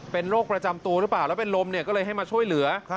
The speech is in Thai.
เป็นโรคประจำตัวหรือเปล่าแล้วเป็นลมเนี่ยก็เลยให้มาช่วยเหลือ